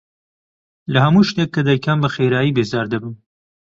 لە هەموو شتێک کە دەیکەم بەخێرایی بێزار دەبم.